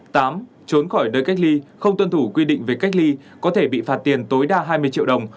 tám trốn khỏi nơi cách ly không tuân thủ quy định về cách ly có thể bị phạt tiền tối đa hai mươi triệu đồng